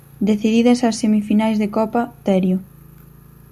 Decididas as semifinais de copa, Terio.